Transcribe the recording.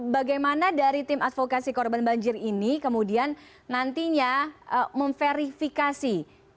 bagaimana dari tim advokasi korban banjir ini kemudian nantinya memverifikasi